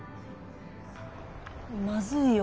まずいよ